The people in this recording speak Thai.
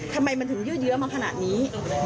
ทำไมมันถึงยืดเยอะมาขนาดนี้